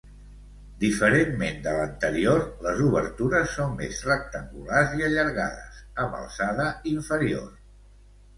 Diferentment de l'anterior, les obertures són més rectangulars i allargades amb alçada inferior.